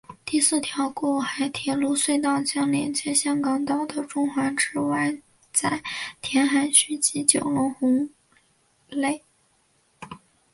第四条过海铁路隧道将连接香港岛的中环至湾仔填海区及九龙红磡。